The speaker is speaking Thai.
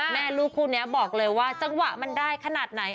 แม่ลูกคู่นี้บอกเลยว่าจังหวะมันได้ขนาดไหน